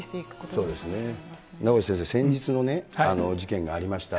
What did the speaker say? そうですね、名越先生、先日の事件がありました。